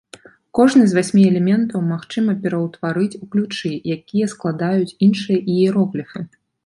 Кожны з васьмі элементаў магчыма пераўтварыць у ключы, якія складаюць іншыя іерогліфы.